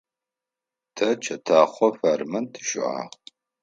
Тэ чэтэхъо фермэм тыщыӏагъ.